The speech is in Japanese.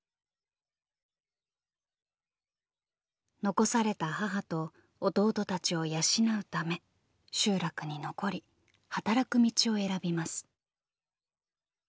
残された母と弟たちを養うため集落に残り働く道を選びます。